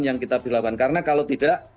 yang kita perlawan karena kalau tidak